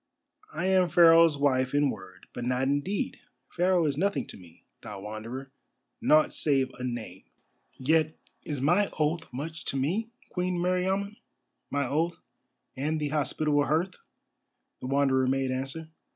"I am Pharaoh's wife in word, but not in deed. Pharaoh is nothing to me, thou Wanderer—nought save a name." "Yet is my oath much to me, Queen Meriamun—my oath and the hospitable hearth," the Wanderer made answer.